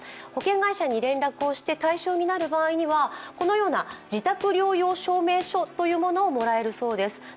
保険会社に連絡をして対象になる場合には、このような自宅療養証明書というものをもらえるそうです。